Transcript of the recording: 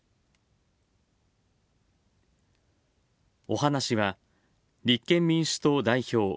お話しは、立憲民主党代表